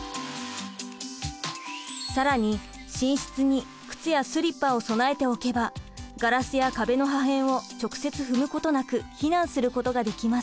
更に寝室に靴やスリッパを備えておけばガラスや壁の破片を直接踏むことなく避難することができます。